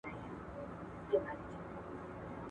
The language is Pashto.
زموږ د کورنۍ په مسجد کي استېدی